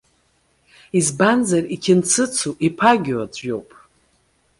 Избанзар, иқьынцыцу, иԥагьоу аӡә иоуп.